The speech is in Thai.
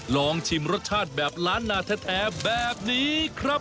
ลองชิมรสชาติแบบล้านนาแท้แบบนี้ครับ